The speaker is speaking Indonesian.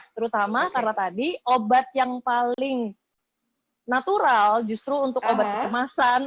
terutama karena tadi obat yang paling natural justru untuk obat kecemasan